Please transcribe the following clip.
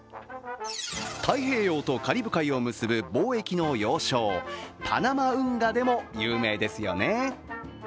太平洋とカリブ海を結ぶ貿易の要衝、パナマ運河でも有名ですよね。